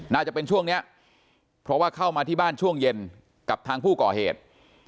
น่าจะเป็นช่วงนี้เพราะว่าเข้ามาที่บ้านช่วงเย็นกับทางผู้ก่อเหตุ